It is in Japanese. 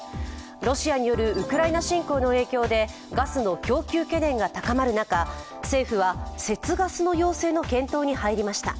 ロシアによるウクライナ侵攻の影響でガスの供給懸念が高まる中政府は節ガスの要請の検討に入りました。